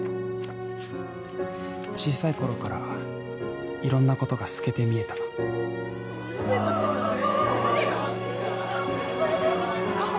小さい頃から色んなことがすけて見えたカホ？